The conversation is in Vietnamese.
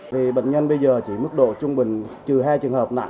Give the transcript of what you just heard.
vì bệnh nhân bây giờ chỉ mức độ trung bình trừ hai trường hợp nặng